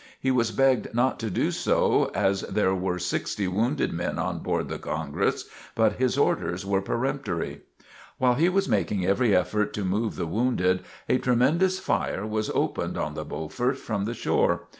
He was begged not to do so as there were sixty wounded men on board the "Congress," but his orders were peremptory. While he was making every effort to move the wounded, a tremendous fire was opened on the "Beaufort" from the shore.